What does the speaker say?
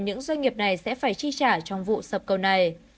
những doanh nghiệp này sẽ phải chi trả trong vụ sập cầu này